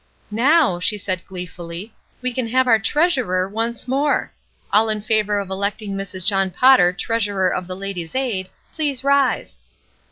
''Now,'' she said gleefully, ''we can have our treasurer once more. All in favor of electing Mrs. John Potter treasurer of the Ladies' Aid, please rise."